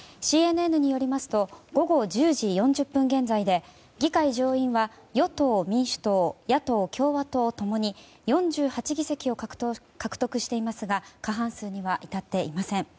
ＣＮＮによりますと午後１０時４０分現在で議会上院は与党・民主党野党・共和党共に４８議席を獲得していますが過半数には至っていません。